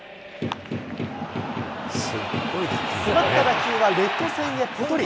詰まった打球はレフト線へぽとり。